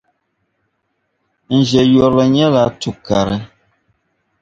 N ʒe yurili nyɛla tukari.